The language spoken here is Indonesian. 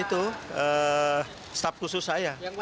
itu stafus saya